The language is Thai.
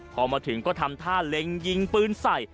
พอมาถึงก็ทำท่าเล็งยิงปืนใส่